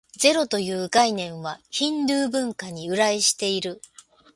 ゼロという概念は、ヒンドゥー文化に由来している。